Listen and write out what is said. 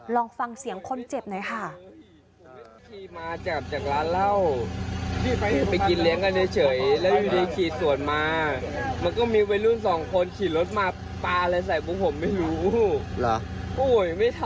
ลองฟังเสียงคนเจ็บหน่อยค่ะ